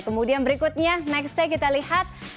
kemudian berikutnya next kita lihat